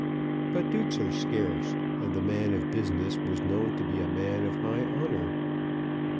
But dukes are scarce, and the man of business was known to be a man of high honour.